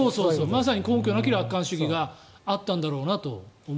まさに根拠なき楽観主義があったんだろうなと。